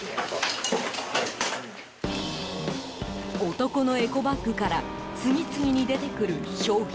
男のエコバッグから次々に出てくる商品。